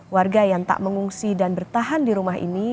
warga yang tak mengungsi dan bertahan di rumah ini